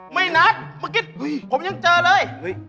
ไม่นับเมื่อกี้ผมยังเจอเลย